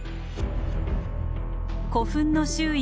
古墳の周囲